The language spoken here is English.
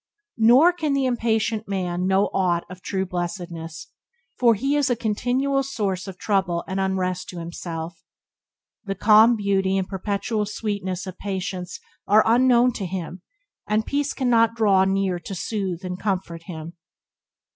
Nor can the impatient man know aught of true blessedness, for he is a continual source of trouble and unrest to himself. The calm beauty and perpetual sweetness of patience are unknown to him, and peace cannot draw near to soothe and comfort him.